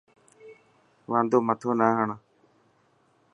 واندو مٿو نه هڻ.